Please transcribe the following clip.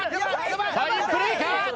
ファインプレーか？